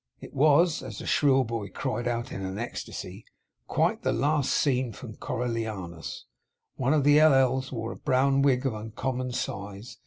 It was (as the shrill boy cried out in an ecstasy) quite the Last Scene from Coriolanus. One of the L. L.'s wore a brown wig of uncommon size.